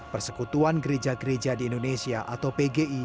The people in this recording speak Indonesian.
persekutuan gereja gereja di indonesia atau pgi